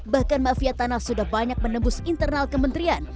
bahkan mafia tanah sudah banyak menembus internal kementerian